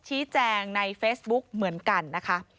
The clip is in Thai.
ชี้แจงในเฟซบุ๊กเหมือนกันนะคะ